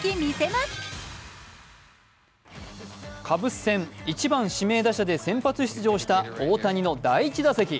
カブス戦、１番・指名打者で先発出場した大谷の第１打席。